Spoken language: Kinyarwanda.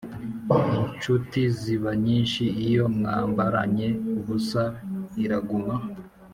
Insuti ziba nyinshi, iyo mwambaranye ubusa iraguma.